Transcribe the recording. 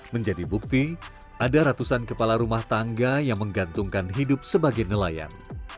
menjadi bukti ada ratusan kepala rumah tangga yang menggantungkan hidup sebagai nelayan